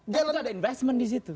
jalan gak ada investment disitu